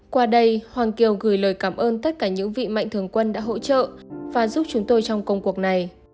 qua đây hoàng kiều gửi lời cảm ơn tất cả những vị mạnh thường quân đã hỗ trợ và giúp chúng tôi trong công cuộc này